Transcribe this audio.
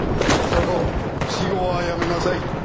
そこ私語はやめなさい。